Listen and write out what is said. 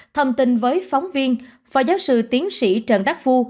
thông tin với phóng viên phó giáo sư tiến sĩ trần đắc phu